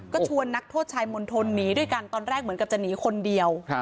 ก็ชวนนักโทษชายมณฑลหนีด้วยกันตอนแรกเหมือนกับจะหนีคนเดียว